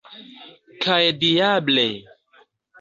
Kaj diable!